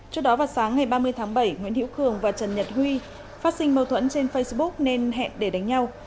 trước đó vào sáng ngày ba mươi tháng bảy nguyễn hữu cường và trần nhật huy phát sinh mâu thuẫn trên facebook nên hẹn để đánh nhau